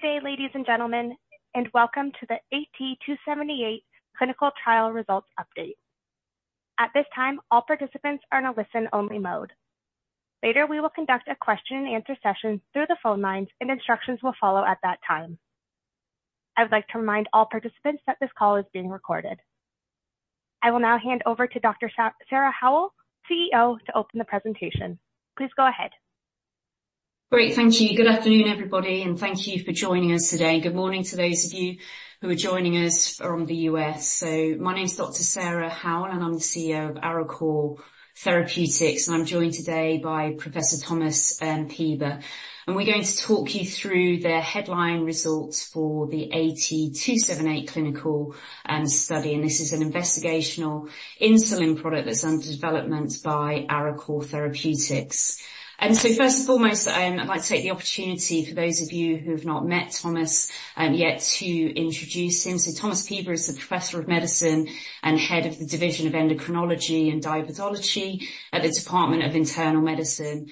Good day, ladies and gentlemen, and welcome to the AT278 clinical trial results update. At this time, all participants are in a listen-only mode. Later, we will conduct a question and answer session through the phone lines, and instructions will follow at that time. I would like to remind all participants that this call is being recorded. I will now hand over to Dr. Sarah Howell, CEO, to open the presentation. Please go ahead. Great. Thank you. Good afternoon, everybody, and thank you for joining us today. Good morning to those of you who are joining us from the U.S. So my name is Dr. Sarah Howell, and I'm the CEO of Arecor Therapeutics, and I'm joined today by Professor Thomas Pieber. And we're going to talk you through the headline results for the AT278 clinical study, and this is an investigational insulin product that's under development by Arecor Therapeutics. And so first and foremost, I'd like to take the opportunity for those of you who have not met Thomas yet to introduce him. So Thomas Pieber is a professor of medicine and head of the division of Endocrinology and Diabetology at the Department of Internal Medicine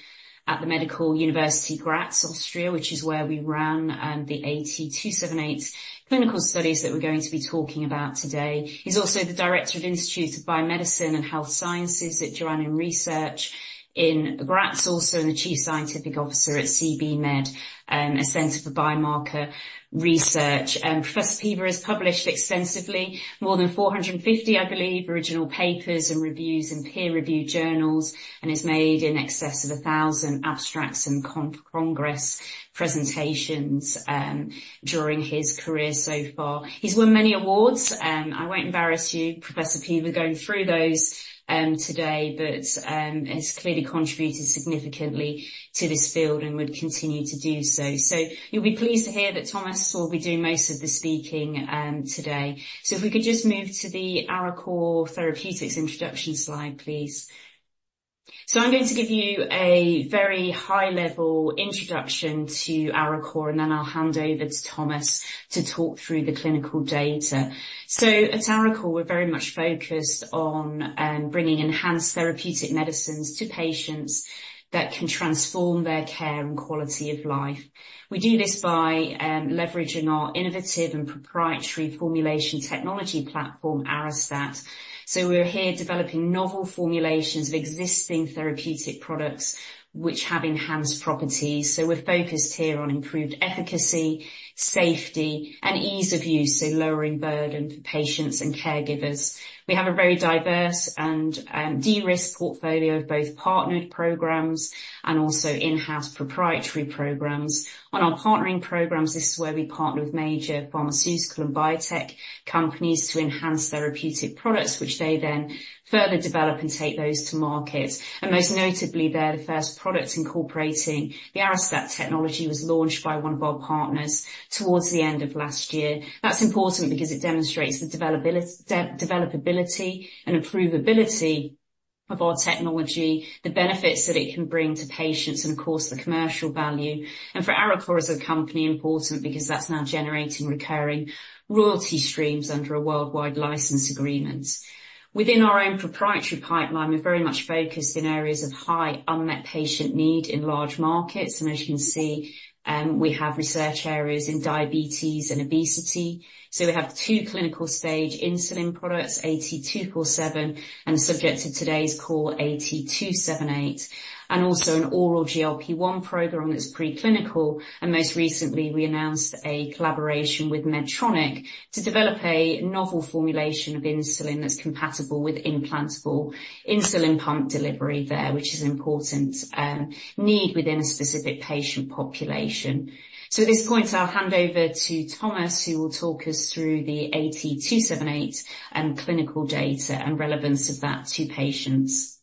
at the Medical University of Graz, Austria, which is where we ran the AT278 clinical studies that we're going to be talking about today. He's also the director of Institute of Biomedicine and Health Sciences at Joanneum Research in Graz, also the Chief Scientific Officer at CBMed, a center for biomarker research. Professor Pieber has published extensively, more than 450, I believe, original papers and reviews in peer-reviewed journals and has made in excess of 1,000 abstracts and congress presentations during his career so far. He's won many awards, I won't embarrass you, Professor Pieber, going through those today, but he's clearly contributed significantly to this field and would continue to do so. So you'll be pleased to hear that Thomas will be doing most of the speaking, today. So if we could just move to the Arecor Therapeutics introduction slide, please. So I'm going to give you a very high-level introduction to Arecor, and then I'll hand over to Thomas to talk through the clinical data. So at Arecor, we're very much focused on bringing enhanced therapeutic medicines to patients that can transform their care and quality of life. We do this by leveraging our innovative and proprietary formulation technology platform, Arestat. So we're here developing novel formulations of existing therapeutic products which have enhanced properties. So we're focused here on improved efficacy, safety, and ease of use, so lowering burden for patients and caregivers. We have a very diverse and de-risked portfolio of both partnered programs and also in-house proprietary programs. On our partnering programs, this is where we partner with major pharmaceutical and biotech companies to enhance therapeutic products, which they then further develop and take those to market. And most notably, their first product, incorporating the Arestat technology, was launched by one of our partners towards the end of last year. That's important because it demonstrates the developability, developability and approvability of our technology, the benefits that it can bring to patients, and of course, the commercial value. And for Arecor as a company, important because that's now generating recurring royalty streams under a worldwide license agreement. Within our own proprietary pipeline, we're very much focused in areas of high unmet patient need in large markets, and as you can see, we have research areas in diabetes and obesity. So we have two clinical-stage insulin products, AT247, and subject to today's call, AT278, and also an oral GLP-1 program that's preclinical. Most recently, we announced a collaboration with Medtronic to develop a novel formulation of insulin that's compatible with implantable insulin pump delivery there, which is important need within a specific patient population. So at this point, I'll hand over to Thomas, who will talk us through the AT278 and clinical data and relevance of that to patients.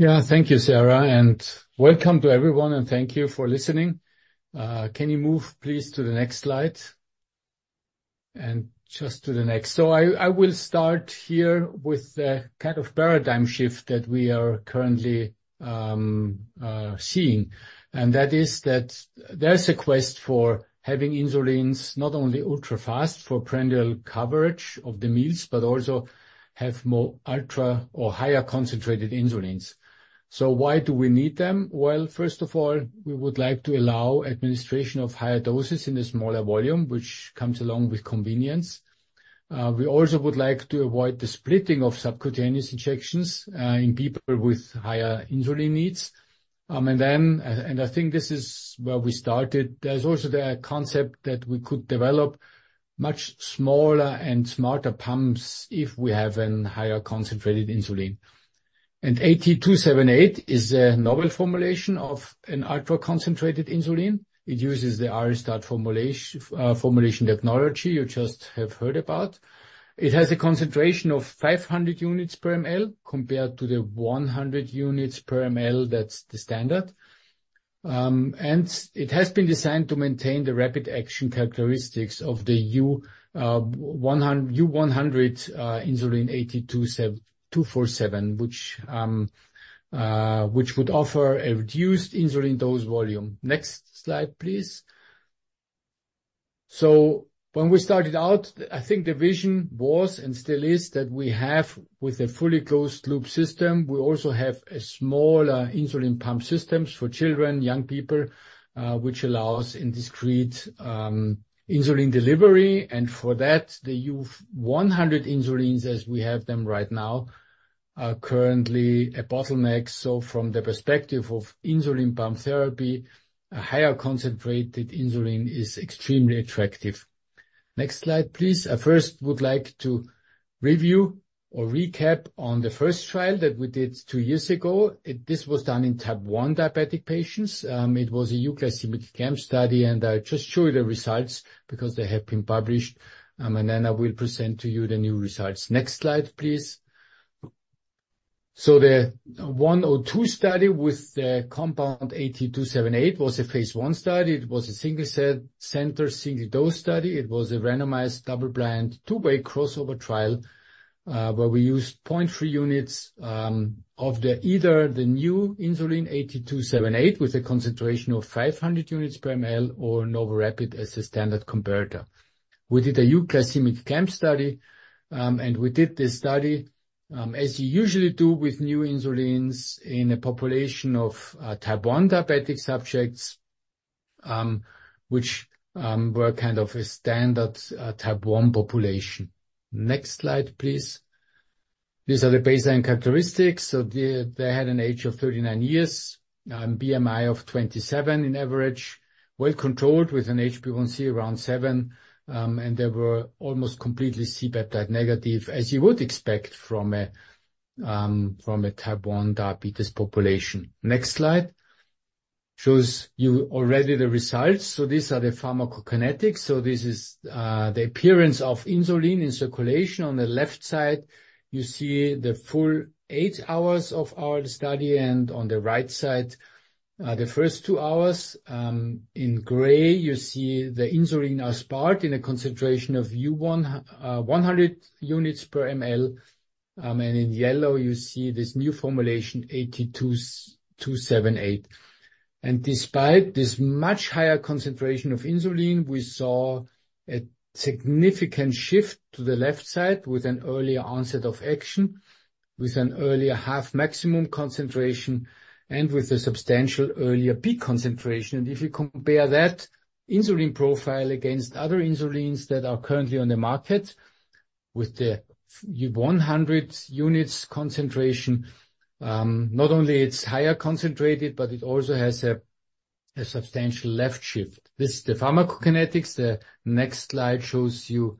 Yeah. Thank you, Sarah, and welcome to everyone, and thank you for listening. Can you move, please, to the next slide? And just to the next. So I will start here with the kind of paradigm shift that we are currently seeing, and that is that there is a quest for having insulins, not only ultra-fast for prandial coverage of the meals, but also have more ultra or higher concentrated insulins. So why do we need them? Well, first of all, we would like to allow administration of higher doses in a smaller volume, which comes along with convenience. We also would like to avoid the splitting of subcutaneous injections in people with higher insulin needs. And then... and I think this is where we started. There's also the concept that we could develop much smaller and smarter pumps if we have a higher concentrated insulin. And AT278 is a novel formulation of an ultra-concentrated insulin. It uses the Arestat formulation technology you just have heard about. It has a concentration of 500 units per ml compared to the 100 units per ml, that's the standard. And it has been designed to maintain the rapid action characteristics of the U-100 insulin AT247, which would offer a reduced insulin dose volume. Next slide, please. So when we started out, I think the vision was, and still is, that we have with a fully closed-loop system, we also have a smaller insulin pump systems for children, young people, which allows discreet insulin delivery. And for that, the U-100 insulins, as we have them right now, are currently a bottleneck. So from the perspective of insulin pump therapy, a higher concentrated insulin is extremely attractive. Next slide, please. I first would like to review or recap on the first trial that we did 2 years ago. This was done in type 1 diabetic patients. It was a euglycemic clamp study, and I'll just show you the results because they have been published. And then I will present to you the new results. Next slide, please. So the 102 study with the compound AT278 was a phase 1 study. It was a single-center, single dose study. It was a randomized, double-blind, two-way crossover trial, where we used 0.3 units of either the new insulin, AT278, with a concentration of 500 units per ml, or NovoRapid as a standard comparator. We did a euglycemic clamp study, and we did this study, as you usually do with new insulins in a population of type 1 diabetic subjects, which were kind of a standard type 1 population. Next slide, please. These are the baseline characteristics. So they had an age of 39 years, BMI of 27 on average, well controlled, with an HbA1c around 7, and they were almost completely C-peptide negative, as you would expect from a type 1 diabetes population. Next slide. Shows you already the results. So these are the pharmacokinetics. So this is the appearance of insulin in circulation. On the left side, you see the full 8 hours of our study, and on the right side the first 2 hours. In gray, you see the insulin aspart in a concentration of U-100 units per ml, and in yellow, you see this new formulation, AT278. And despite this much higher concentration of insulin, we saw a significant shift to the left side with an earlier onset of action, with an earlier half maximum concentration, and with a substantial earlier peak concentration. And if you compare that insulin profile against other insulins that are currently on the market, with the U-100 units concentration, not only it's higher concentrated, but it also has a substantial left shift. This is the pharmacokinetics. The next slide shows you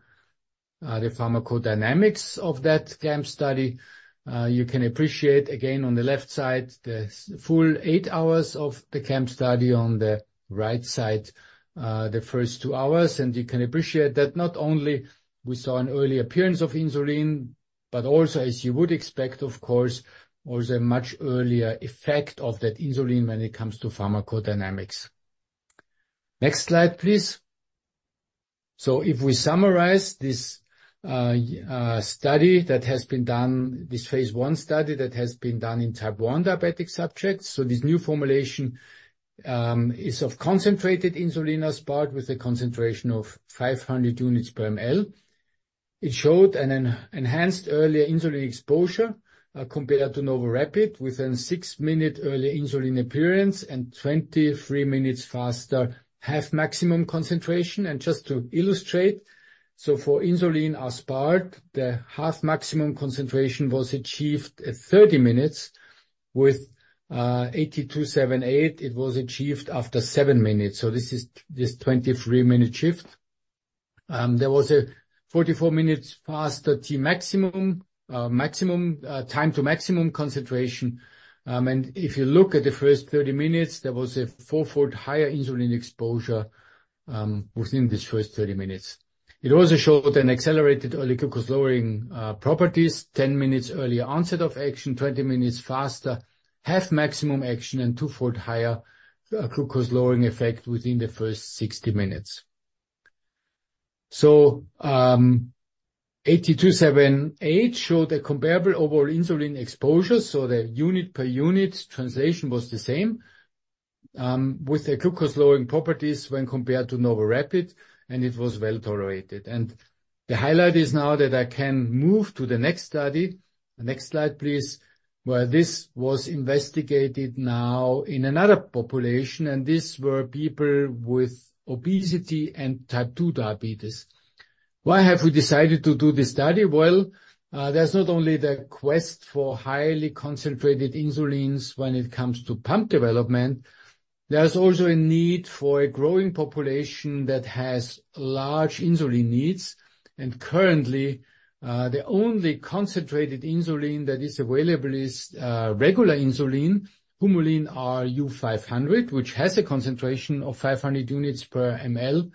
the pharmacodynamics of that clamp study. You can appreciate again, on the left side, the full 8 hours of the clamp study, on the right side, the first 2 hours. You can appreciate that not only we saw an early appearance of insulin, but also, as you would expect, of course, was a much earlier effect of that insulin when it comes to pharmacodynamics. Next slide, please. If we summarize this study that has been done, this phase 1 study that has been done in Type 1 diabetic subjects, so this new formulation is of concentrated insulin aspart, with a concentration of 500 units per mL. It showed an enhanced early insulin exposure, compared to NovoRapid, with a 6-minute early insulin appearance and 23 minutes faster half maximum concentration. Just to illustrate, so for Insulin Aspart, the half maximum concentration was achieved at 30 minutes. With AT278, it was achieved after 7 minutes. This is this 23-minute shift. There was a 44 minutes faster T max, maximum, time to maximum concentration. And if you look at the first 30 minutes, there was a 4-fold higher insulin exposure within the first 30 minutes. It also showed an accelerated early glucose-lowering properties, 10 minutes earlier onset of action, 20 minutes faster half maximum action, and 2-fold higher glucose-lowering effect within the first 60 minutes. AT278 showed a comparable overall insulin exposure, so the unit per unit translation was the same with the glucose-lowering properties when compared to NovoRapid, and it was well tolerated. And the highlight is now that I can move to the next study. Next slide, please. Where this was investigated now in another population, and these were people with obesity and type 2 diabetes. Why have we decided to do this study? Well, there's not only the quest for highly concentrated insulins when it comes to pump development, there's also a need for a growing population that has large insulin needs. And currently, the only concentrated insulin that is available is regular insulin, Humulin R U-500, which has a concentration of 500 units per mL,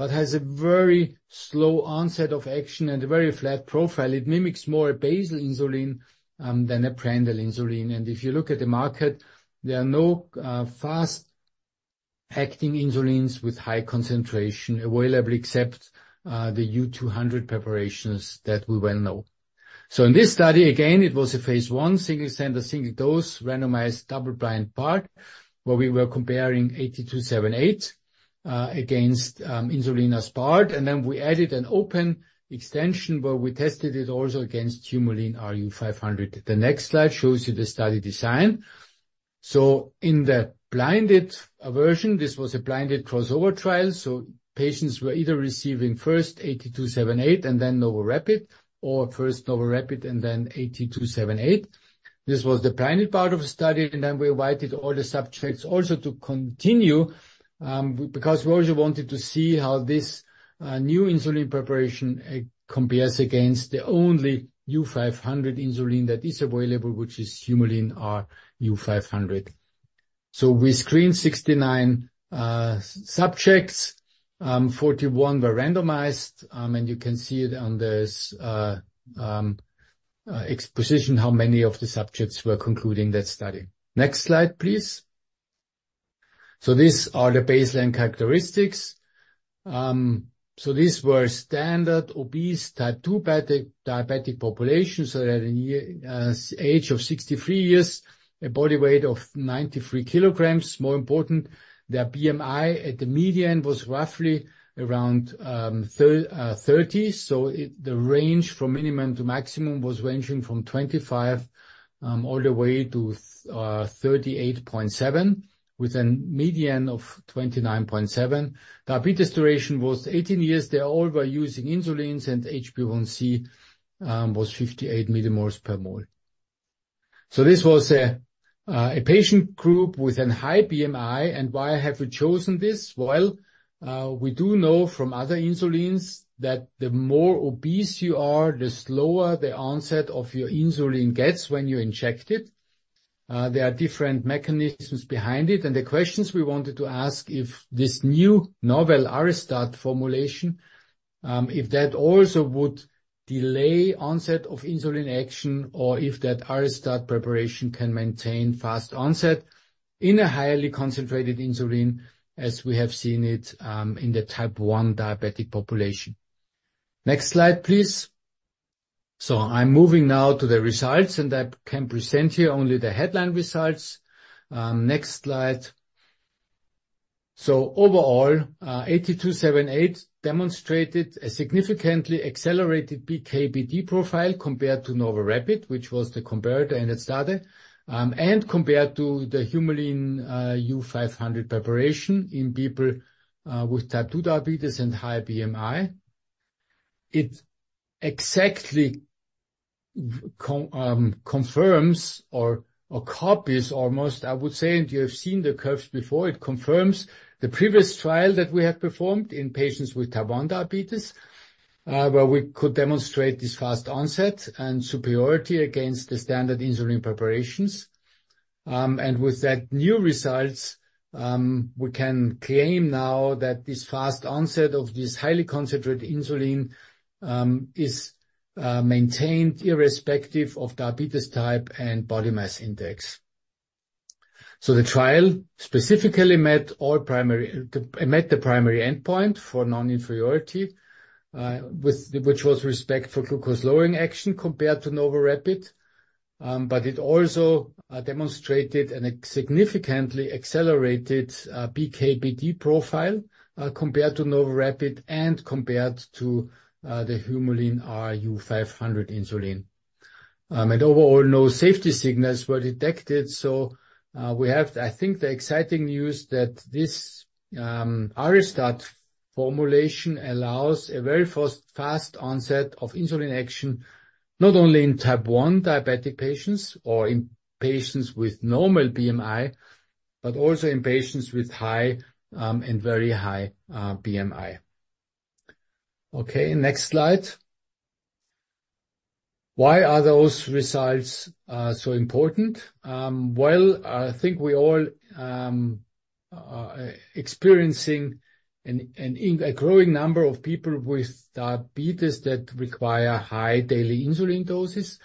but has a very slow onset of action and a very flat profile. It mimics more a basal insulin than a prandial insulin. And if you look at the market, there are no fast-acting insulins with high concentration available except the U-200 preparations that we well know. So in this study, again, it was a phase 1, single center, single dose, randomized, double-blind part, where we were comparing AT278 against Insulin Aspart. And then we added an open extension, where we tested it also against Humulin R U-500. The next slide shows you the study design. So in the blinded version, this was a blinded crossover trial, so patients were either receiving first AT278 and then NovoRapid, or first NovoRapid and then AT278. This was the blinded part of the study, and then we invited all the subjects also to continue, because we also wanted to see how this new insulin preparation compares against the only U-500 insulin that is available, which is Humulin R U-500. So we screened 69 subjects, 41 were randomized, and you can see it on this exposition, how many of the subjects were concluding that study. Next slide, please. So these are the baseline characteristics. So these were standard obese type 2 diabetic population, so they had a mean age of 63 years, a body weight of 93 kilograms. More important, their BMI at the median was roughly around 30, so the range from minimum to maximum was ranging from 25 all the way to 38.7, with a median of 29.7. Diabetes duration was 18 years. They all were using insulins, and HbA1c was 58 millimoles per mol. So this was a patient group with a high BMI, and why have we chosen this? Well, we do know from other insulins that the more obese you are, the slower the onset of your insulin gets when you inject it. There are different mechanisms behind it, and the questions we wanted to ask, if this new novel Arestat formulation, if that also would delay onset of insulin action or if that Arestat preparation can maintain fast onset in a highly concentrated insulin, as we have seen it, in the Type 1 diabetic population. Next slide, please. So I'm moving now to the results, and I can present here only the headline results. Next slide. So overall, AT278 demonstrated a significantly accelerated PK/PD profile compared to NovoRapid, which was the comparator in that study, and compared to the Humulin U-500 preparation in people with Type 2 diabetes and high BMI. It exactly confirms or copies almost, I would say, and you have seen the curves before, it confirms the previous trial that we have performed in patients with Type 1 diabetes, where we could demonstrate this fast onset and superiority against the standard insulin preparations. And with that new results, we can claim now that this fast onset of this highly concentrated insulin is maintained irrespective of diabetes type and body mass index. So the trial specifically met all primary, it met the primary endpoint for non-inferiority with respect to glucose-lowering action compared to NovoRapid. But it also demonstrated a significantly accelerated PK/PD profile, compared to NovoRapid and compared to the Humulin R U-500 insulin. And overall, no safety signals were detected, so we have, I think, the exciting news that this Arestat formulation allows a very fast, fast onset of insulin action, not only in type one diabetic patients or in patients with normal BMI, but also in patients with high, and very high, BMI. Okay, next slide. Why are those results so important? Well, I think we all are experiencing a growing number of people with diabetes that require high daily insulin doses.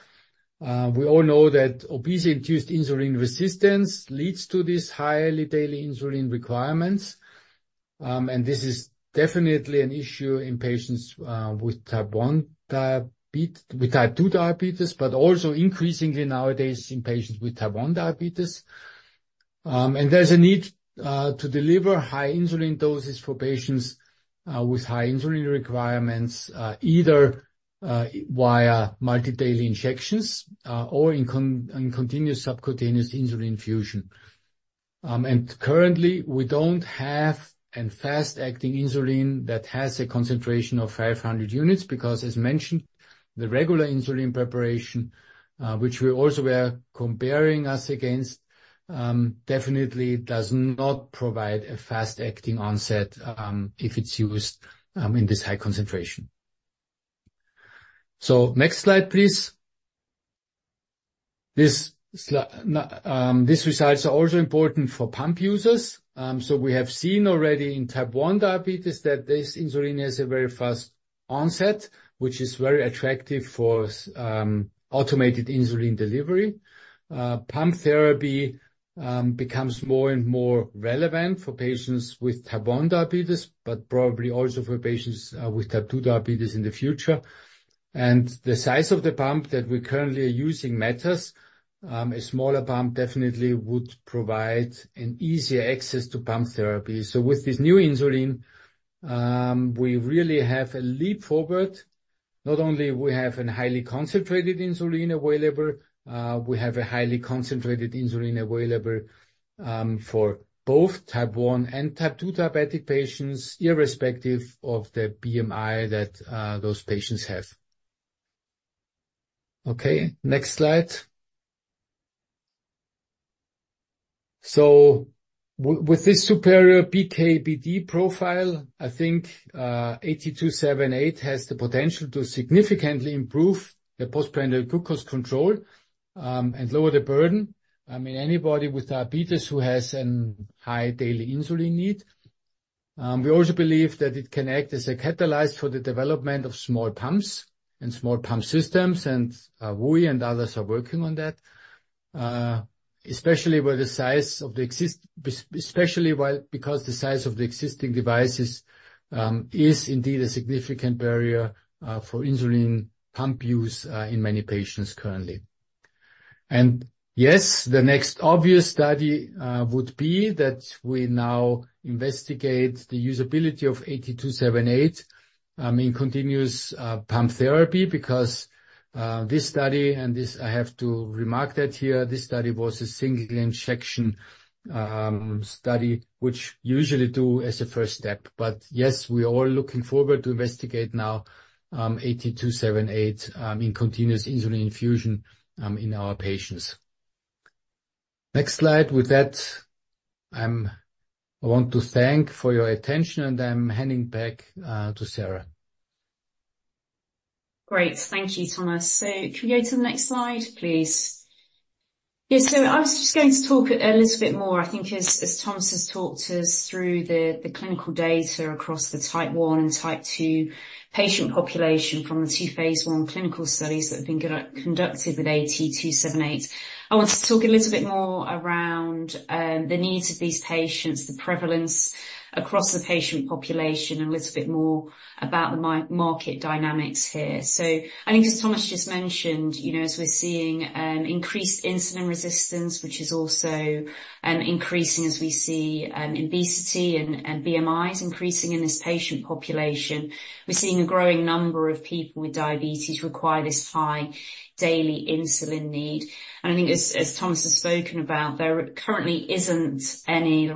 We all know that obesity-induced insulin resistance leads to these highly daily insulin requirements, and this is definitely an issue in patients with type two diabetes, but also increasingly nowadays in patients with type one diabetes. And there's a need to deliver high insulin doses for patients with high insulin requirements, either via multiple daily injections or in continuous subcutaneous insulin infusion. And currently, we don't have a fast-acting insulin that has a concentration of 500 units, because, as mentioned, the regular insulin preparation, which we also were comparing us against, definitely does not provide a fast-acting onset, if it's used in this high concentration. So next slide, please. These results are also important for pump users. So we have seen already in type 1 diabetes that this insulin has a very fast onset, which is very attractive for automated insulin delivery. Pump therapy becomes more and more relevant for patients with Type 1 diabetes, but probably also for patients with Type 2 diabetes in the future. The size of the pump that we currently are using matters. A smaller pump definitely would provide an easier access to pump therapy. With this new insulin, we really have a leap forward. Not only we have a highly concentrated insulin available, we have a highly concentrated insulin available for both Type 1 and Type 2 diabetic patients, irrespective of the BMI that those patients have. Okay, next slide. With this superior PK/PD profile, I think AT278 has the potential to significantly improve the postprandial glucose control and lower the burden. I mean, anybody with diabetes who has a high daily insulin need. We also believe that it can act as a catalyst for the development of small pumps and small pump systems, and we and others are working on that. Especially because the size of the existing devices is indeed a significant barrier for insulin pump use in many patients currently. Yes, the next obvious study would be that we now investigate the usability of AT278 in continuous pump therapy, because this study, I have to remark that here, this study was a single injection study, which usually do as a first step. But yes, we are all looking forward to investigate now AT278 in continuous insulin infusion in our patients. Next slide. With that, I want to thank for your attention, and I'm handing back to Sarah. Great. Thank you, Thomas. So can we go to the next slide, please? Yeah, so I was just going to talk a little bit more, I think, as Thomas has talked us through the clinical data across the Type 1 and Type 2 patient population from the two phase one clinical studies that have been conducted with AT278. I want to talk a little bit more around the needs of these patients, the prevalence across the patient population, and a little bit more about the market dynamics here. So I think as Thomas just mentioned, you know, as we're seeing increased insulin resistance, which is also increasing as we see obesity and BMIs increasing in this patient population, we're seeing a growing number of people with diabetes require this high daily insulin need. I think as Thomas has spoken about, there aren't any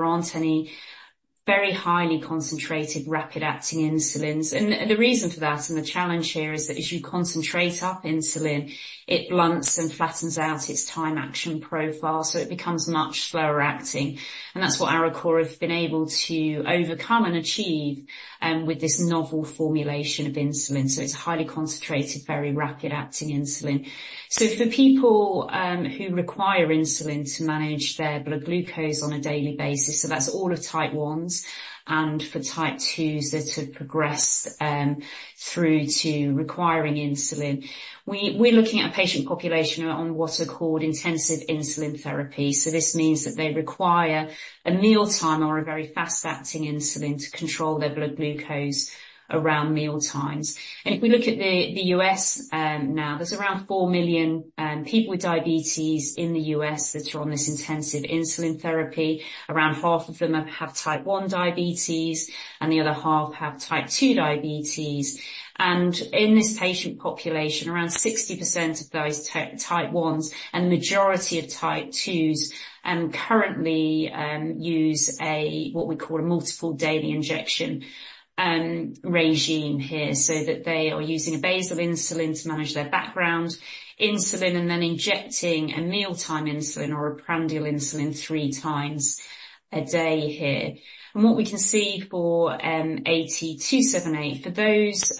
very highly concentrated, rapid-acting insulins. And the reason for that, and the challenge here, is that as you concentrate up insulin, it blunts and flattens out its time action profile, so it becomes much slower acting. And that's what Arecor have been able to overcome and achieve with this novel formulation of insulin. So it's a highly concentrated, very rapid-acting insulin. So for people who require insulin to manage their blood glucose on a daily basis, so that's all of Type 1s and for Type 2s that have progressed through to requiring insulin, we're looking at a patient population on what are called intensive insulin therapy. So this means that they require a mealtime or a very fast-acting insulin to control their blood glucose around mealtimes. If we look at the U.S., now, there are around 4 million people with diabetes in the U.S. that are on this intensive insulin therapy. Around half of them have Type 1 diabetes, and the other half have Type 2 diabetes. In this patient population, around 60% of those Type 1s and majority of Type 2s currently use what we call a multiple daily injection regimen here. So that they are using a basal insulin to manage their background insulin and then injecting a mealtime insulin or a prandial insulin three times a day here. What we can see for AT278, for those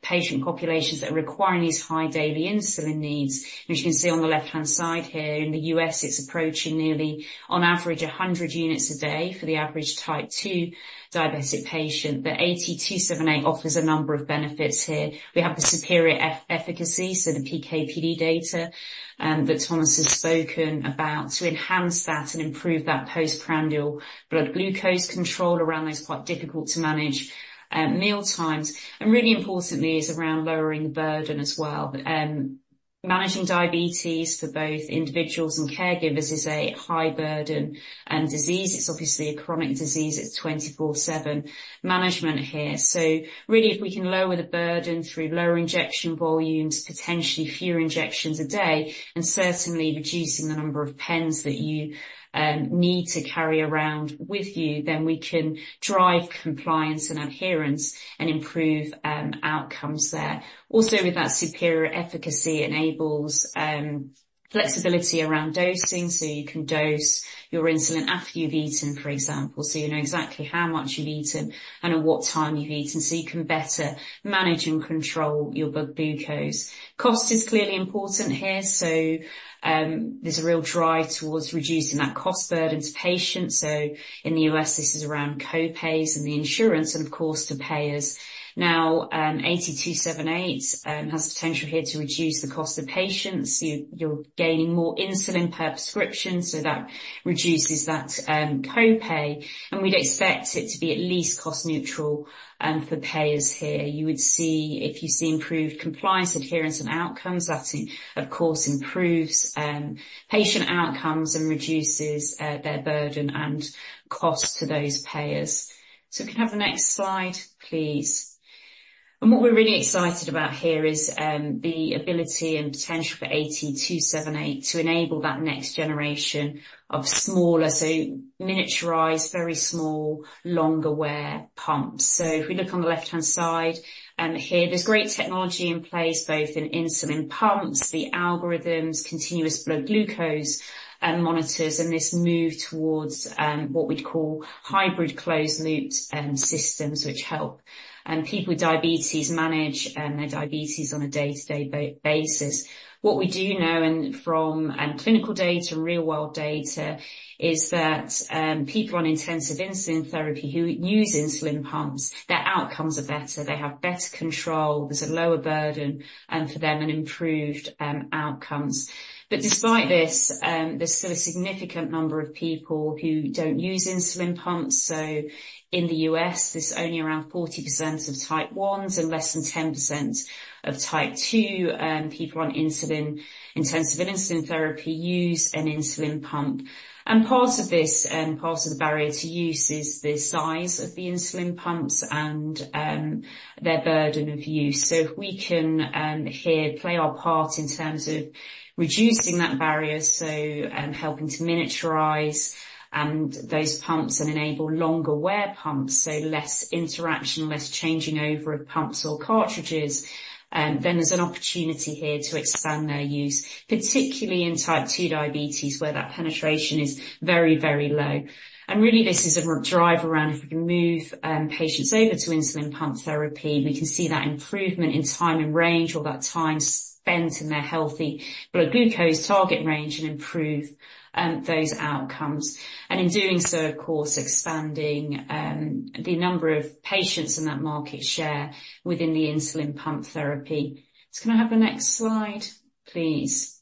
patient populations that are requiring these high daily insulin needs, which you can see on the left-hand side here, in the U.S., it's approaching nearly, on average, 100 units a day for the average Type 2 diabetic patient. But AT278 offers a number of benefits here. We have the superior efficacy, so the PK/PD data that Thomas has spoken about, to enhance that and improve that postprandial blood glucose control around those quite difficult to manage mealtimes. Really importantly, is around lowering the burden as well. Managing diabetes for both individuals and caregivers is a high burden disease. It's obviously a chronic disease. It's 24/7 management here. So really, if we can lower the burden through lower injection volumes, potentially fewer injections a day, and certainly reducing the number of pens that you need to carry around with you, then we can drive compliance and adherence and improve outcomes there. Also, with that superior efficacy enables flexibility around dosing, so you can dose your insulin after you've eaten, for example, so you know exactly how much you've eaten and at what time you've eaten, so you can better manage and control your blood glucose. Cost is clearly important here, so there's a real drive towards reducing that cost burden to patients. So in the U.S., this is around co-pays and the insurance and of course, to payers. Now, AT278 has the potential here to reduce the cost to patients. You, you're gaining more insulin per prescription, so that reduces that co-pay, and we'd expect it to be at least cost neutral for payers here. You would see... If you see improved compliance, adherence, and outcomes, that, of course, improves patient outcomes and reduces their burden and cost to those payers. So if you can have the next slide, please. And what we're really excited about here is the ability and potential for AT278 to enable that next generation of smaller, so miniaturized, very small, longer wear pumps. So if we look on the left-hand side here, there's great technology in place, both in insulin pumps, the algorithms, continuous blood glucose, and monitors, and this move towards what we'd call hybrid closed-loop systems, which help people with diabetes manage their diabetes on a day-to-day basis. What we do know from clinical data and real-world data is that people on intensive insulin therapy who use insulin pumps, their outcomes are better. They have better control, there's a lower burden, and for them, an improved outcomes. But despite this, there's still a significant number of people who don't use insulin pumps. So in the U.S., there's only around 40% of Type 1s and less than 10% of Type 2 people on intensive insulin therapy use an insulin pump. And part of this part of the barrier to use is the size of the insulin pumps and their burden of use. So if we can here play our part in terms of reducing that barrier, so helping to miniaturize those pumps and enable longer wear pumps, so less interaction, less changing over of pumps or cartridges, then there's an opportunity here to expand their use, particularly in Type 2 diabetes, where that penetration is very, very low. And really, this is a drive around if we can move patients over to insulin pump therapy, we can see that improvement in time and range, or that time spent in their healthy blood glucose target range and improve those outcomes. And in doing so, of course, expanding the number of patients in that market share within the insulin pump therapy. So can I have the next slide, please?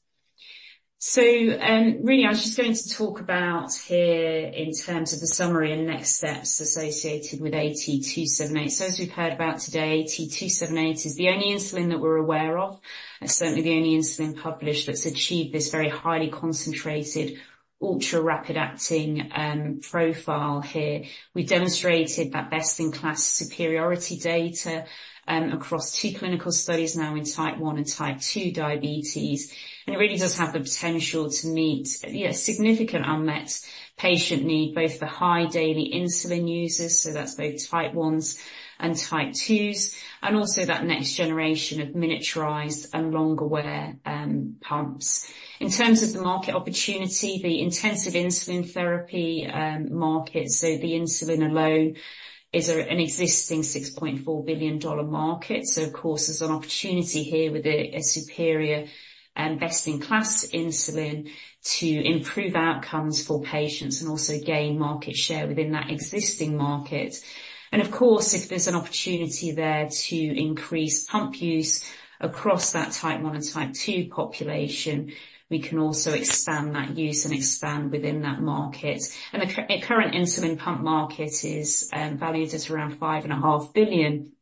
So, really, I was just going to talk about here in terms of the summary and next steps associated with AT278. So as we've heard about today, AT278 is the only insulin that we're aware of, and certainly the only insulin published, that's achieved this very highly concentrated, ultra-rapid acting profile here. We demonstrated that best-in-class superiority data across two clinical studies now in Type 1 and Type 2 diabetes. And it really does have the potential to meet, yeah, significant unmet patient need, both for high daily insulin users, so that's both Type 1s and Type 2s, and also that next generation of miniaturized and longer-wear pumps. In terms of the market opportunity, the intensive insulin therapy market, so the insulin alone is an existing $6.4 billion market. So of course, there's an opportunity here with a superior best-in-class insulin to improve outcomes for patients and also gain market share within that existing market. And of course, if there's an opportunity there to increase pump use across that Type 1 and Type 2 population, we can also expand that use and expand within that market. And the current insulin pump market is valued at around $5.5 billion,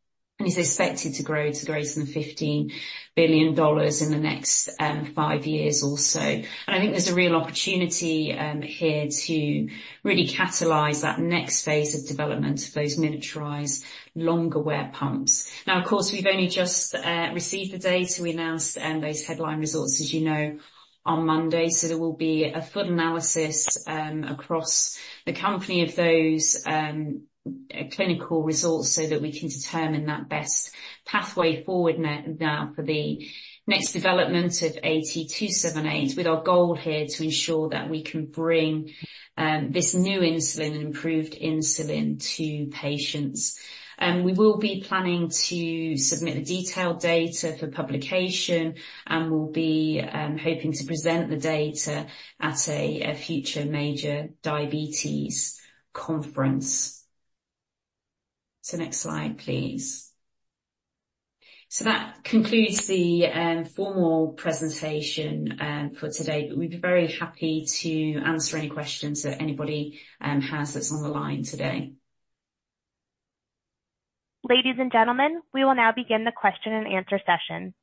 and is expected to grow to greater than $15 billion in the next 5 years or so. And I think there's a real opportunity here to really catalyze that next phase of development of those miniaturized, longer-wear pumps. Now, of course, we've only just received the data. We announced those headline results, as you know, on Monday, so there will be a full analysis across the company of those clinical results so that we can determine that best pathway forward now for the next development of AT278. With our goal here to ensure that we can bring this new insulin and improved insulin to patients. We will be planning to submit the detailed data for publication and will be hoping to present the data at a future major diabetes conference. Next slide, please. That concludes the formal presentation for today, but we'd be very happy to answer any questions that anybody has that's on the line today. Ladies and gentlemen, we will now begin the question and answer session.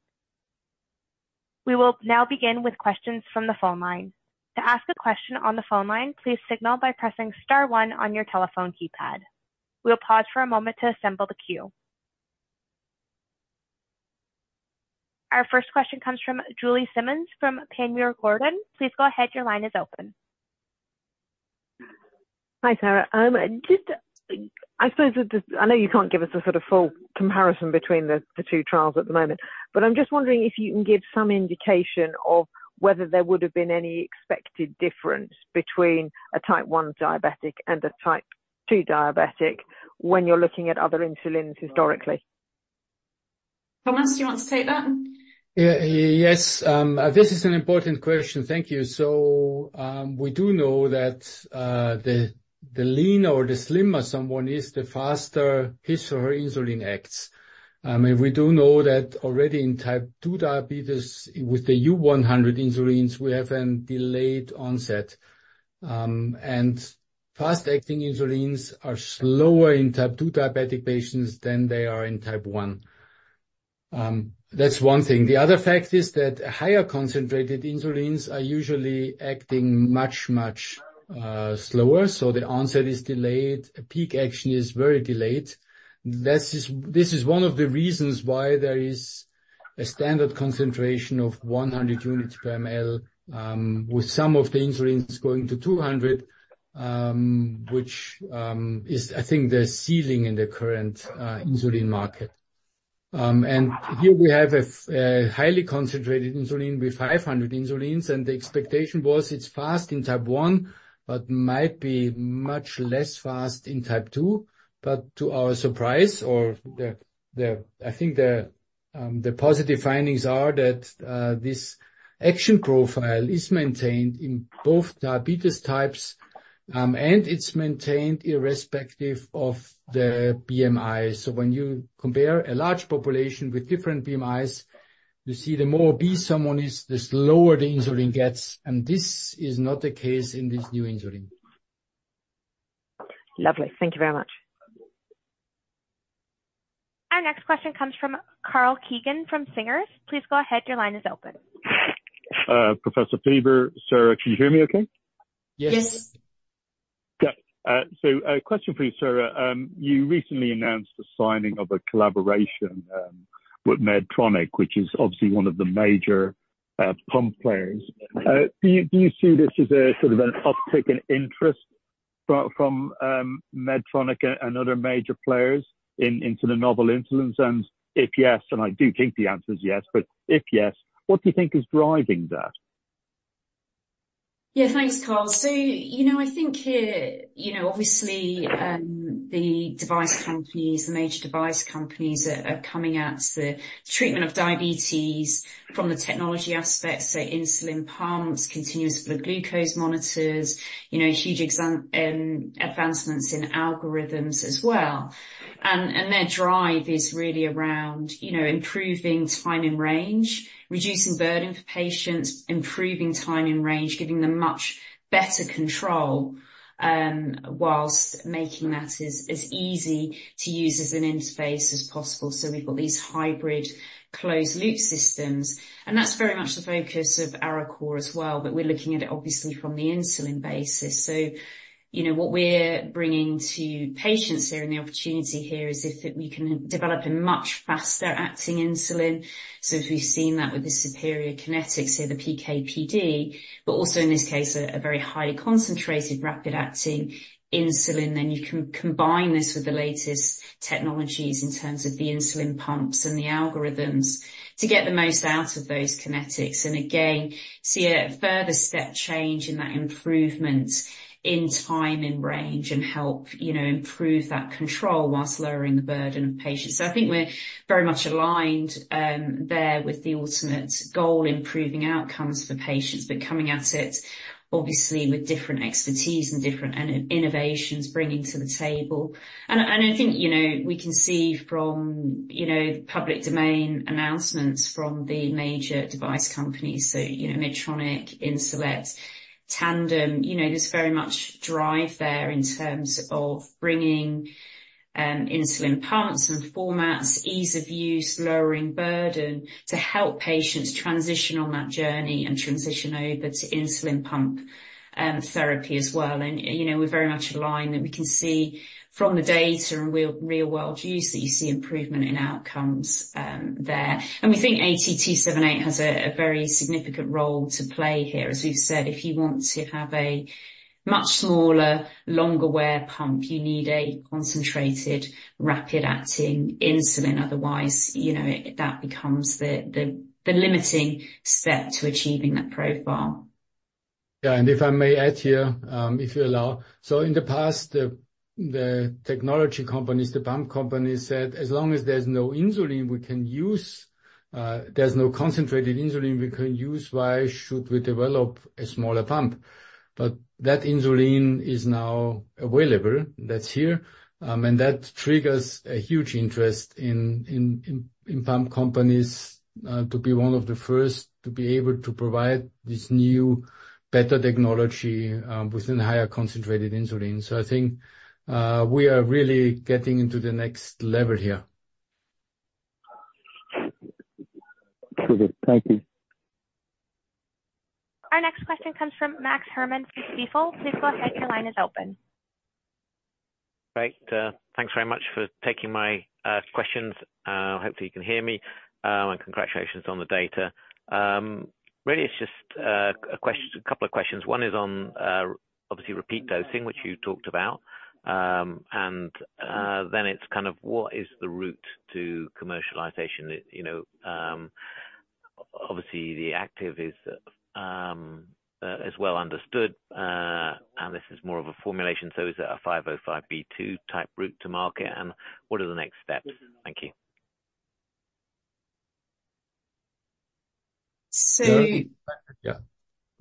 We will now begin with questions from the phone line. To ask a question on the phone line, please signal by pressing star one on your telephone keypad. We will pause for a moment to assemble the queue. Our first question comes from Julie Simmonds, from Panmure Gordon. Please go ahead. Your line is open. Hi, Sarah. Just, I suppose that I know you can't give us a sort of full comparison between the two trials at the moment, but I'm just wondering if you can give some indication of whether there would have been any expected difference between a Type 1 diabetic and a Type 2 diabetic when you're looking at other insulins historically. Thomas, do you want to take that? Yeah. Yes, this is an important question. Thank you. So, we do know that, the leaner or the slimmer someone is, the faster his or her insulin acts. We do know that already in Type 2 diabetes, with the U-100 insulins, we have a delayed onset. Fast-acting insulins are slower in Type 2 diabetic patients than they are in Type 1. That's one thing. The other fact is that higher concentrated insulins are usually acting much, much, slower, so the onset is delayed. A peak action is very delayed. This is, this is one of the reasons why there is a standard concentration of 100 units per ml, with some of the insulins going to 200, which is, I think, the ceiling in the current insulin market. And here we have a highly concentrated insulin with 500 insulins, and the expectation was it's fast in type 1, but might be much less fast in type 2. But to our surprise, I think the positive findings are that this action profile is maintained in both diabetes types, and it's maintained irrespective of the BMI. So when you compare a large population with different BMIs, you see the more obese someone is, the slower the insulin gets, and this is not the case in this new insulin. Lovely. Thank you very much. Our next question comes from Karl Keegan from Singer Capital Markets. Please go ahead. Your line is open. Professor Pieber, Sarah, can you hear me okay? Yes. Yes. Okay. So a question for you, Sarah. You recently announced the signing of a collaboration with Medtronic, which is obviously one of the major pump players. Do you see this as a sort of an uptick in interest from Medtronic and other major players into the novel insulins? And if yes, and I do think the answer is yes, but if yes, what do you think is driving that? Yeah, thanks, Karl. So, you know, I think here, you know, obviously, the device companies, the major device companies are, are coming at the treatment of diabetes from the technology aspect. So insulin pumps, continuous blood glucose monitors, you know, huge example of advancements in algorithms as well. And, and their drive is really around, you know, improving time in range, reducing burden for patients, improving time in range, giving them much better control, while making that as, as easy to use as an interface as possible. So we've got these hybrid closed-loop systems, and that's very much the focus of Arecor as well. But we're looking at it obviously from the insulin basis. So, you know, what we're bringing to patients here and the opportunity here is if we can develop a much faster acting insulin. So as we've seen that with the superior kinetics, say, the PK/PD, but also in this case, a very highly concentrated, rapid acting insulin, then you can combine this with the latest technologies in terms of the insulin pumps and the algorithms to get the most out of those kinetics. And again, see a further step change in that improvement in time in range and help, you know, improve that control whilst lowering the burden of patients. So I think we're very much aligned, there with the ultimate goal, improving outcomes for patients, but coming at it obviously with different expertise and different innovations bringing to the table. I think, you know, we can see from, you know, public domain announcements from the major device companies, so, you know, Medtronic, Insulet, Tandem, you know, there's very much drive there in terms of bringing insulin pumps and formats, ease of use, lowering burden, to help patients transition on that journey and transition over to insulin pump therapy as well. You know, we're very much aligned, and we can see from the data and real, real world use, that you see improvement in outcomes there. We think AT278 has a very significant role to play here. As we've said, if you want to have a much smaller, longer wear pump, you need a concentrated, rapid acting insulin. Otherwise, you know, that becomes the limiting step to achieving that profile. Yeah, and if I may add here, if you allow. So in the past, the technology companies, the pump companies, said, "As long as there's no insulin we can use, there's no concentrated insulin we can use, why should we develop a smaller pump?" But that insulin is now available. That's here. And that triggers a huge interest in pump companies to be one of the first to be able to provide this new, better technology within higher concentrated insulin. So I think, we are really getting into the next level here. Thank you. Our next question comes from Max Herrmann from Stifel. Please go ahead. Your line is open. Great. Thanks very much for taking my questions. Hopefully you can hear me, and congratulations on the data. Really, it's just a question, a couple of questions. One is on, obviously, repeat dosing, which you talked about. And then it's kind of what is the route to commercialization? You know, obviously, the active is well understood, and this is more of a formulation. So is it a 505 B2 type route to market, and what are the next steps? Thank you. So- Yeah.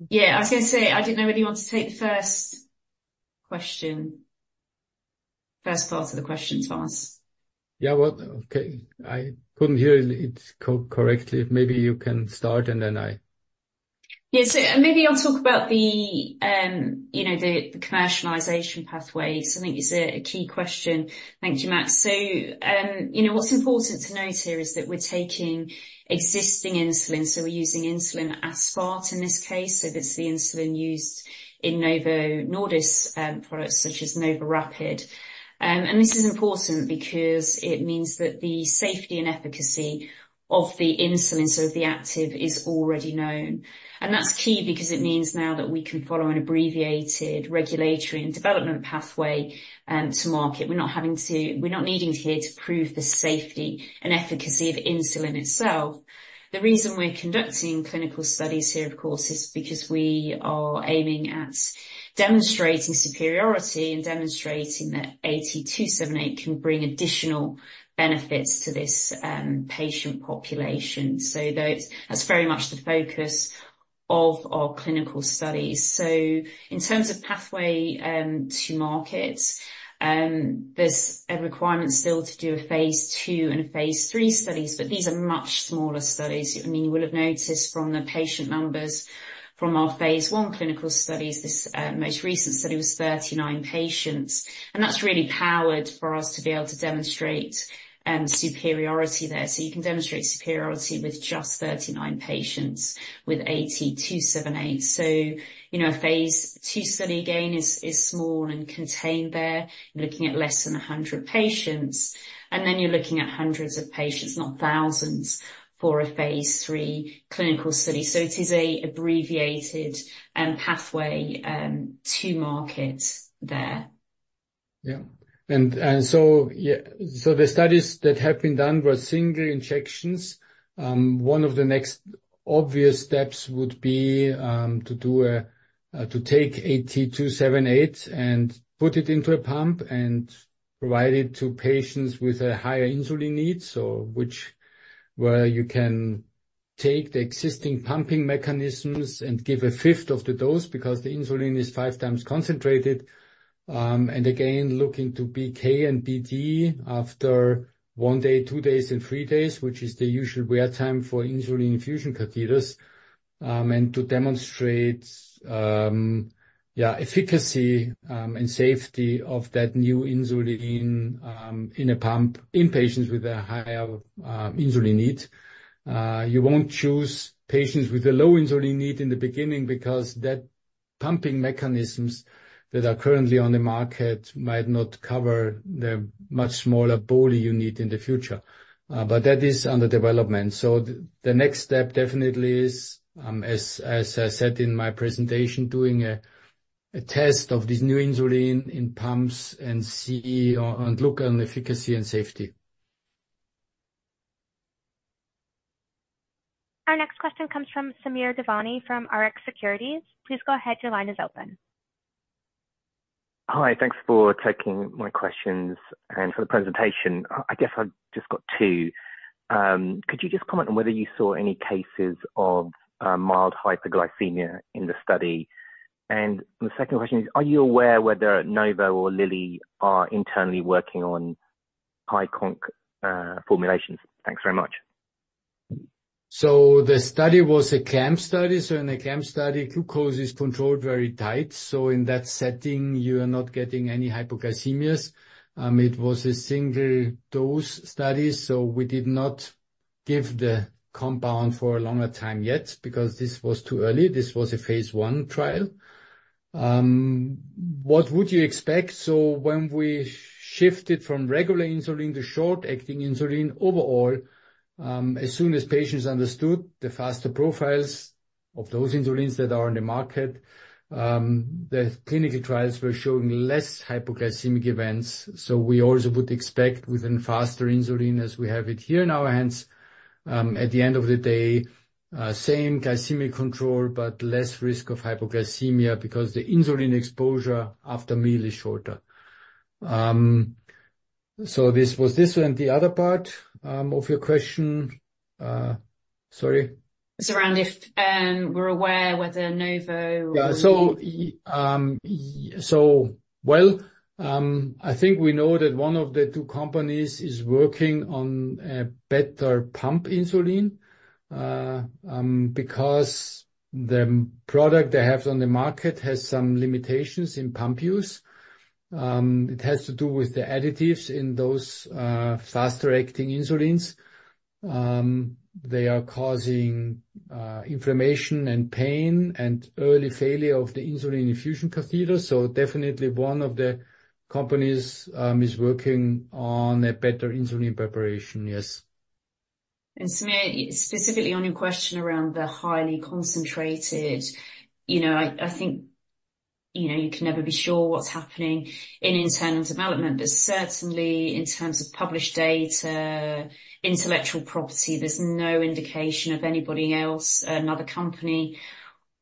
Yeah, I was going to say, I didn't know whether you want to take the first question, first part of the question, Thomas. Yeah, well, okay. I couldn't hear it correctly. Maybe you can start, and then I- Yeah, so maybe I'll talk about the you know, the commercialization pathway. So I think it's a key question. Thank you, Max. So, you know, what's important to note here is that we're taking existing insulin, so we're using insulin aspart in this case. So it's the insulin used in Novo Nordisk products, such as NovoRapid. And this is important because it means that the safety and efficacy of the insulin, so the active, is already known. And that's key because it means now that we can follow an abbreviated regulatory and development pathway to market. We're not having to-- we're not needing here to prove the safety and efficacy of insulin itself. The reason we're conducting clinical studies here, of course, is because we are aiming at demonstrating superiority and demonstrating that AT278 can bring additional benefits to this patient population. So that's, that's very much the focus of our clinical studies. So in terms of pathway to market, there's a requirement still to do a phase 2 and a phase 3 studies, but these are much smaller studies. I mean, you will have noticed from the patient numbers from our phase 1 clinical studies, this most recent study was 39 patients, and that's really powered for us to be able to demonstrate superiority there. So you can demonstrate superiority with just 39 patients with AT278. So, you know, a phase 2 study, again, is, is small and contained there. You're looking at less than 100 patients, and then you're looking at hundreds of patients, not thousands, for a phase 3 clinical study. So it is an abbreviated pathway to market there. Yeah. And so, yeah, so the studies that have been done were single injections. One of the next obvious steps would be to take AT278 and put it into a pump and provide it to patients with higher insulin needs, so which, where you can take the existing pumping mechanisms and give a fifth of the dose because the insulin is five times concentrated. And again, looking to PK and PD after one day, two days, and three days, which is the usual wear time for insulin infusion catheters. And to demonstrate, yeah, efficacy and safety of that new insulin in a pump in patients with a higher insulin need. You won't choose patients with a low insulin need in the beginning because that pumping mechanisms that are currently on the market might not cover the much smaller bolus you need in the future. But that is under development. So the next step definitely is, as I said in my presentation, doing a test of this new insulin in pumps and see, and look on efficacy and safety. Our next question comes from Samir Devani, from Rx Securities. Please go ahead. Your line is open. Hi, thanks for taking my questions and for the presentation. I guess I've just got two. Could you just comment on whether you saw any cases of mild hypoglycemia in the study? And the second question is, are you aware whether Novo or Lilly are internally working on high conc formulations? Thanks very much. The study was a clamp study, so in a clamp study, glucose is controlled very tight. In that setting, you are not getting any hypoglycemias. It was a single-dose study, so we did not give the compound for a longer time yet because this was too early. This was a phase one trial. What would you expect? When we shifted from regular insulin to short-acting insulin, overall, as soon as patients understood the faster profiles of those insulins that are on the market, the clinical trials were showing less hypoglycemic events. We also would expect within faster insulin as we have it here in our hands, at the end of the day, same glycemic control, but less risk of hypoglycemia because the insulin exposure after meal is shorter. So this was this one, and the other part of your question, sorry? It's around if, we're aware whether Novo; Yeah. So, well, I think we know that one of the two companies is working on a better pump insulin, because the product they have on the market has some limitations in pump use. It has to do with the additives in those faster-acting insulins. They are causing inflammation and pain and early failure of the insulin infusion catheter. So definitely one of the companies is working on a better insulin preparation. Yes. Samir, specifically on your question around the highly concentrated, you know, I, I think, you know, you can never be sure what's happening in internal development, but certainly in terms of published data, intellectual property, there's no indication of anybody else, another company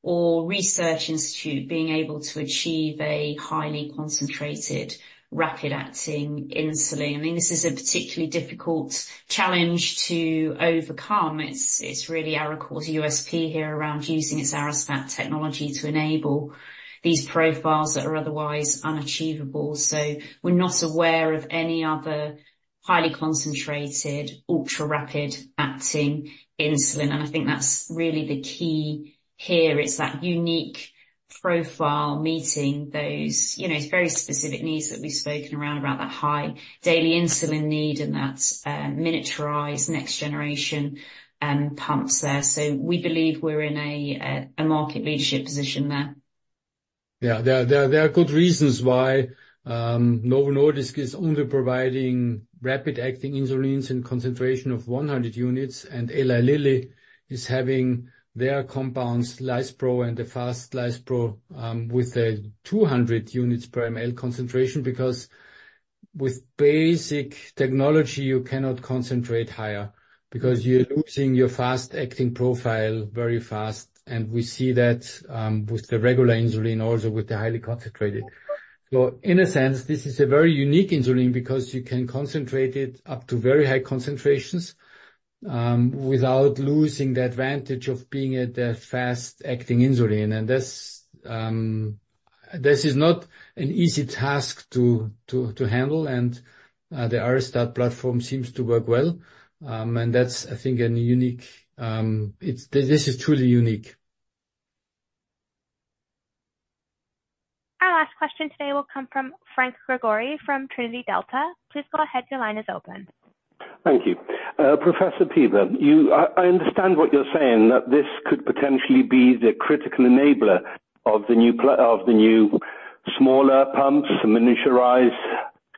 or research institute being able to achieve a highly concentrated, rapid-acting insulin. I mean, this is a particularly difficult challenge to overcome. It's, it's really our, of course, USP here around using its Arestat technology to enable these profiles that are otherwise unachievable. So we're not aware of any other highly concentrated, ultra rapid acting insulin, and I think that's really the key here. It's that unique profile meeting those, you know, very specific needs that we've spoken around, about that high daily insulin need, and that's miniaturized next generation pumps there. So we believe we're in a market leadership position there. Yeah. There are good reasons why, Novo Nordisk is only providing rapid acting insulins in concentration of 100 units, and Eli Lilly is having their compounds, Lispro and the fast Lispro, with the 200 units per ml concentration. Because with basic technology, you cannot concentrate higher because you're losing your fast acting profile very fast, and we see that, with the regular insulin, also with the highly concentrated. So in a sense, this is a very unique insulin because you can concentrate it up to very high concentrations, without losing the advantage of being a fast acting insulin. And that's, this is not an easy task to handle. And, the Arestat platform seems to work well. And that's, I think, a unique, it's this is truly unique. Our last question today will come from Franc Gregori from Trinity Delta. Please go ahead. Your line is open. Thank you. Professor Pieber, you, I, I understand what you're saying, that this could potentially be the critical enabler of the new smaller pumps, miniaturized,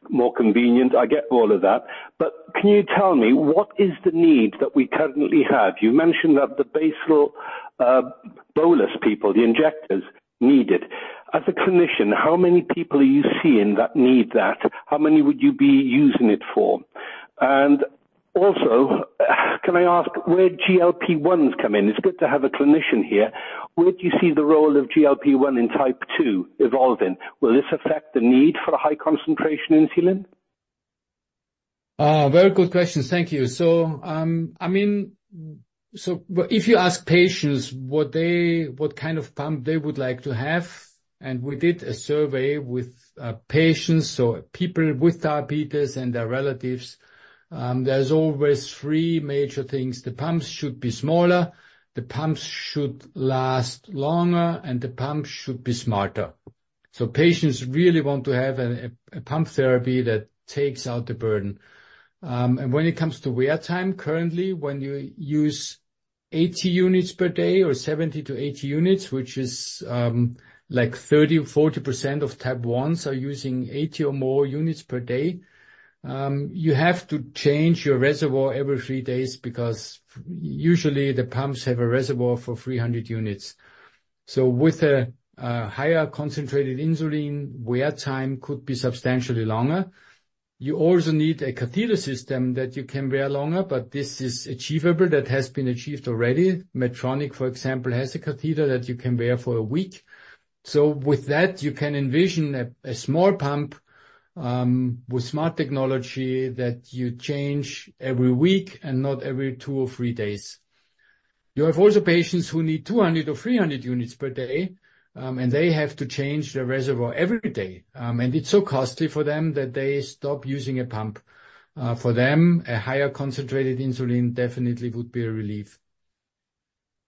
more convenient. I get all of that. But can you tell me, what is the need that we currently have? You mentioned that the basal, bolus people, the injectors need it. As a clinician, how many people are you seeing that need that? How many would you be using it for? And also, can I ask where GLP-1s come in? It's good to have a clinician here. Where do you see the role of GLP-1 in Type 2 evolving? Will this affect the need for a high concentration insulin? Very good questions. Thank you. So, I mean, so if you ask patients what they, what kind of pump they would like to have, and we did a survey with, patients, so people with diabetes and their relatives, there's always three major things: the pumps should be smaller, the pumps should last longer, and the pumps should be smarter. So patients really want to have a, a pump therapy that takes out the burden. And when it comes to wear time, currently, when you use 80 units per day, or 70-80 units, which is, like 30% or 40% of Type 1s are using 80 or more units per day. You have to change your reservoir every three days because usually the pumps have a reservoir for 300 units. So with a higher concentrated insulin, wear time could be substantially longer. You also need a catheter system that you can wear longer, but this is achievable. That has been achieved already. Medtronic, for example, has a catheter that you can wear for a week. So with that, you can envision a small pump with smart technology that you change every week and not every 2 or 3 days. You have also patients who need 200 or 300 units per day, and they have to change their reservoir every day. And it's so costly for them that they stop using a pump. For them, a higher concentrated insulin definitely would be a relief.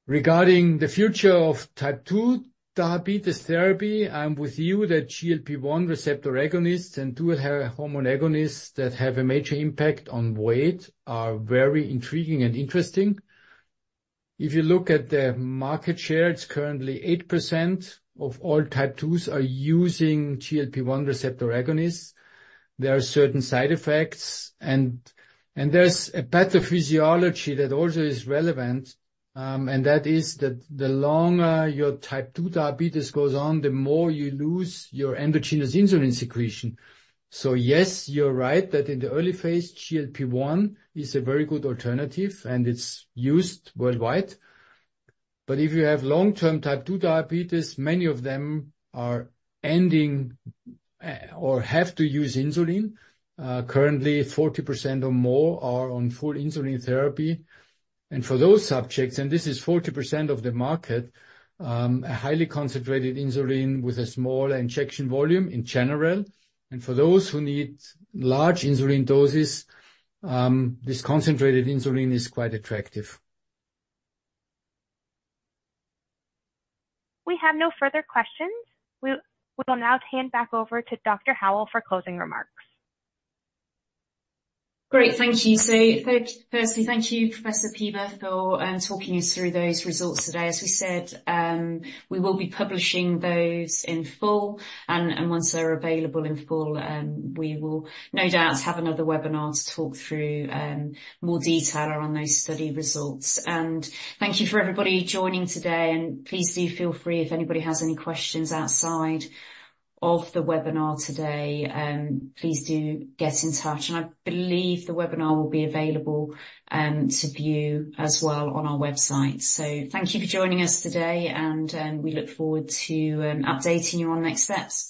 Regarding the future of Type 2 diabetes therapy, I'm with you that GLP-1 receptor agonists and dual hormone agonists that have a major impact on weight are very intriguing and interesting. If you look at the market share, it's currently 8% of all Type 2s are using GLP-1 receptor agonists. There are certain side effects, and there's a pathophysiology that also is relevant, and that is that the longer your Type 2 diabetes goes on, the more you lose your endogenous insulin secretion. So yes, you're right that in the early phase, GLP-1 is a very good alternative, and it's used worldwide. But if you have long-term Type 2 diabetes, many of them are ending, or have to use insulin. Currently, 40% or more are on full insulin therapy. For those subjects, and this is 40% of the market, a highly concentrated insulin with a smaller injection volume in general, and for those who need large insulin doses, this concentrated insulin is quite attractive. We have no further questions. We will now hand back over to Dr. Howell for closing remarks. Great. Thank you. So first, firstly, thank you, Professor Pieber, for talking us through those results today. As we said, we will be publishing those in full, and once they're available in full, we will no doubt have another webinar to talk through more detail around those study results. And thank you for everybody joining today, and please do feel free if anybody has any questions outside of the webinar today, please do get in touch. And I believe the webinar will be available to view as well on our website. So thank you for joining us today, and we look forward to updating you on next steps.